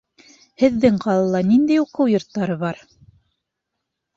Һеҙҙең ҡалала ниндәй уҡыу йорттары бар?